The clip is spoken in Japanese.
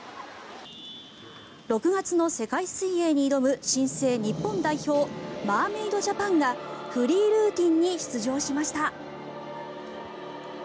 ６月の世界水泳に挑む新生日本代表マーメイドジャパンがフリールーティンに出場しました。